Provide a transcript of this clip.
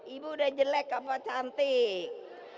ibu udah jelek apa cantik